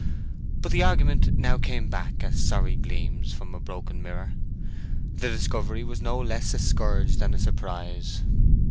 But the argument now came back as sorry gleams from a broken mirror. The discovery was no less a scourge than a surprise.